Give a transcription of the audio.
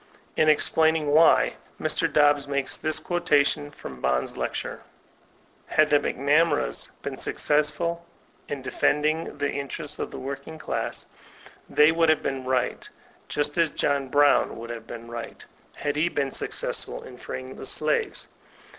In explaining wlqr. Direct Action 2ag Mr. Dobbs» secretary, makes this quotation from Bohn's lecture: "Had the McNamaras been successful in de fending the interests of the working class, they would have been right, just as John Brown would have been right, had he been successful in freeing the slaves.